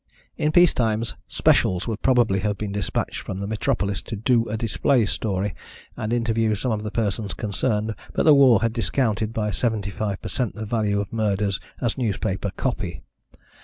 In peace times "specials" would probably have been despatched from the metropolis to "do a display story," and interview some of the persons concerned, but the war had discounted by seventy five per cent the value of murders as newspaper "copy."